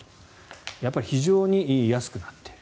やっぱり非常に安くなっている。